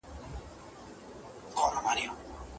گرانې! راته راکړه څه په پور باڼه